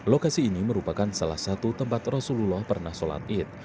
lokasi ini merupakan salah satu tempat rasulullah pernah sholat id